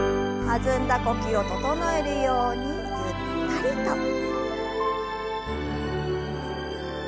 弾んだ呼吸を整えるようにゆったりと。